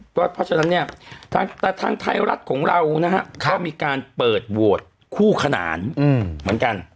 เพราะฉะนั้นเนี่ยแต่ทางไทยรัฐของเรานะฮะก็มีการเปิดโหวตคู่ขนานเหมือนกัน